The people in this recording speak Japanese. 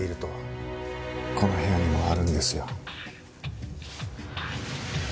この部屋にもあるんですよ。